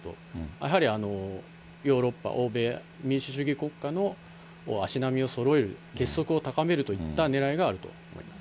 やはりヨーロッパ、欧米、民主主義国家の足並みをそろえる、結束を高めるといったねらいがあると思います。